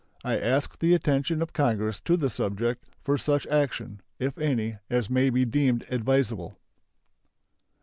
I ask the attention of Congress to the subject, for such action, if any, as may be deemed advisable.